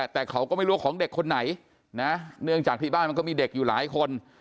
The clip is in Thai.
แต่เขาก็ไม่รู้ว่าของเด็กคนไหนนะเนื่องจากที่บ้านมันก็มีเด็กอยู่หลายคน